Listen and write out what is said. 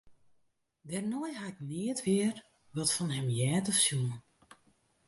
Dêrnei ha ik nea wer wat fan him heard of sjoen.